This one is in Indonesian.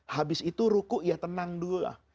habis itu ruku ya tenang dulu lah